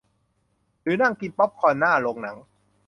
หรือนั่งกินป๊อปคอร์นหน้าโรงหนัง